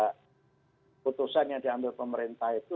keputusan yang diambil pemerintah itu